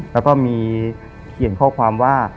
แล้วก็มีเขียนข้อความว่า